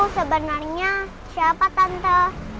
sebenarnya siapa tante